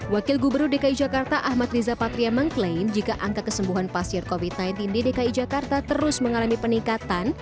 wakil gubernur dki jakarta ahmad riza patria mengklaim jika angka kesembuhan pasien covid sembilan belas di dki jakarta terus mengalami peningkatan